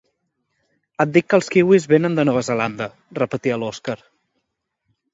Et dic que els kiwis venen de Nova Zelanda —repetia l'Oskar.